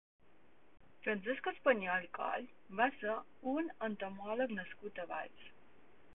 Francesc Español i Coll va ser un entomòleg nascut a Valls.